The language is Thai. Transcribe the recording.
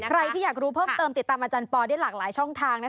ใครที่อยากรู้เพิ่มเติมติดตามอาจารย์ปอได้หลากหลายช่องทางนะคะ